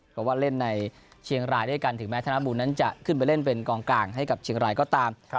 เพราะว่าเล่นในเชียงรายด้วยกันถึงแม้ธนบุญนั้นจะขึ้นไปเล่นเป็นกองกลางให้กับเชียงรายก็ตาม